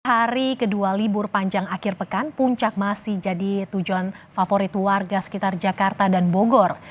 hari kedua libur panjang akhir pekan puncak masih jadi tujuan favorit warga sekitar jakarta dan bogor